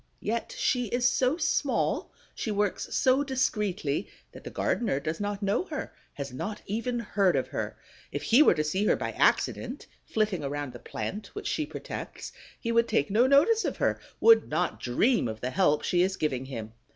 Yet she is so small, she works so discreetly, that the gardener does not know her, has not even heard of her. If he were to see her by accident, flitting around the plant which she protects, he would take no notice of her, would not dream of the help she is giving him.